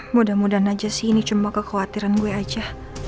mudah mudahan aja sih ini cuma kekhawatiran gue aja